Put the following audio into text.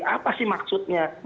apa sih maksudnya